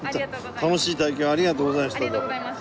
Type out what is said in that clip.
楽しい体験をありがとうございましたどうも。